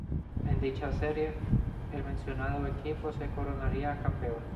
En dicha serie, el mencionado equipo se coronaría campeón.